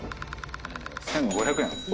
１５００円です